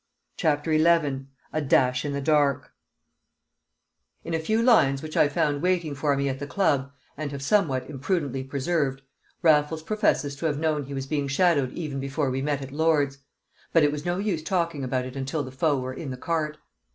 CHAPTER XI A Dash in the Dark In a few lines which I found waiting for me at the club, and have somewhat imprudently preserved, Raffles professes to have known he was being shadowed even before we met at Lord's: "but it was no use talking about it until the foe were in the cart."